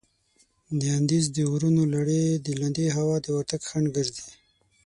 د اندیز د غرونو لړي د لندې هوا د ورتګ خنډ ګرځي.